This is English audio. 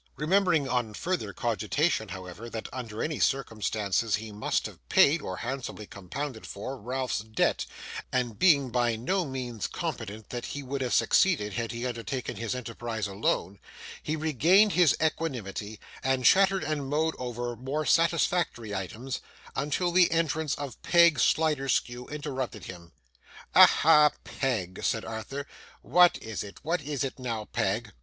Remembering on further cogitation, however, that under any circumstances he must have paid, or handsomely compounded for, Ralph's debt, and being by no means confident that he would have succeeded had he undertaken his enterprise alone, he regained his equanimity, and chattered and mowed over more satisfactory items, until the entrance of Peg Sliderskew interrupted him. 'Aha, Peg!' said Arthur, 'what is it? What is it now, Peg?